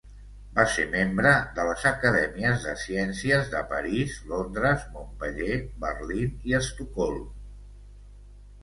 Va ser membre de les Acadèmies de Ciències de París, Londres, Montpeller, Berlín i Estocolm.